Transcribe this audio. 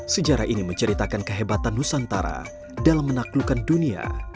sejarah ini menceritakan kehebatan nusantara dalam menaklukkan dunia